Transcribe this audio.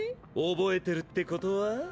覚えてるってことはぁ？